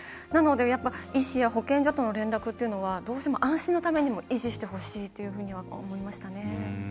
なので、医師や保健所との連絡っていうのはどうしても安心のためにも維持してほしいっていうふうには思いましたね。